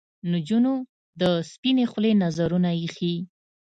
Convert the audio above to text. نجونو د سپنې خولې نذرونه ایښي